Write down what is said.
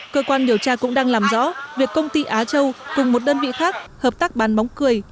cơ quan điều tra cũng đang làm rõ việc công ty á châu cùng một đơn vị khác hợp tác bán bóng cười